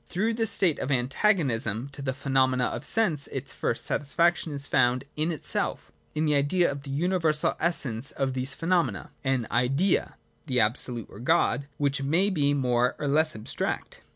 Through this state of antagonism to the phenomena of sense its first satis faction is found in itself, in the Idea of the universal essence of these phenomena : an Idea (the Absolute, or God) which may be more or less abstract.